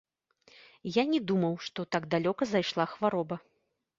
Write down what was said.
Я не думаў, што так далёка зайшла хвароба.